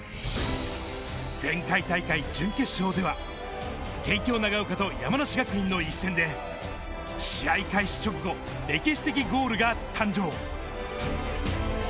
前回大会準決勝では、帝京長岡と山梨学院の一戦で、試合開始直後、歴史的ゴールが誕生。